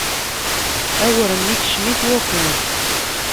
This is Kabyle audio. Awren-a ikcem-it wakuz.